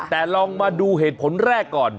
แต่ลองมาดูเหตุผลแรกก่อน